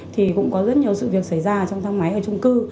thì cũng có rất nhiều sự việc xảy ra trong thang máy ở trung cư